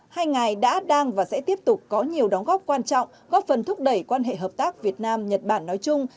hai ngài đã đang và sẽ tiếp tục có nhiều đóng góp quan trọng góp phần thúc đẩy quan hệ hợp tác việt nam nhật bản nói chung